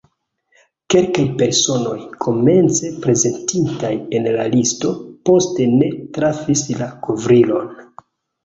Kelkaj personoj, komence prezentitaj en la listo, poste ne trafis la kovrilon.